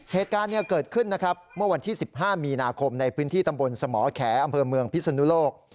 เหตุการณ์เกิดขึ้นนะครับเมื่อวันที่๑๕มีนาคมในพื้นที่ตำบลสมแขอำเภอเมืองพิศนุโลก